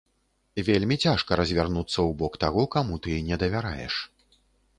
Вельмі цяжка развярнуцца ў бок таго, каму ты не давяраеш.